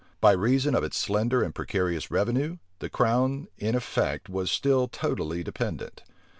By reason of its slender and precarious revenue, the crown in effect was still totally dependent.